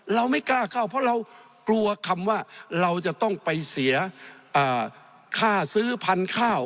ไม่กล้าเข้าเพราะเรากลัวคำว่าเราจะต้องไปเสียค่าซื้อพันธุ์ข้าว